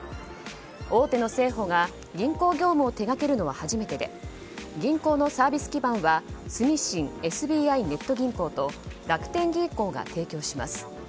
大手の生保が銀行業務を手掛けるのは初めてで銀行のサービス機関は住信ＳＢＩネット銀行と楽天銀行が提供します。